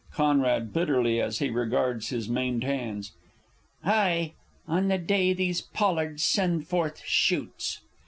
Con. (bitterly, as he regards his maimed hands.) Aye on the day these pollards send forth shoots!